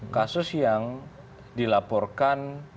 kasus yang dilaporkan